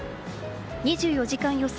２４時間予想